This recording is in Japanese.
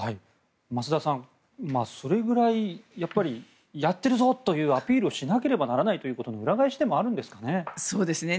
増田さん、それぐらいやっているぞというアピールをしなければならないということの裏返しでもあるんですかね。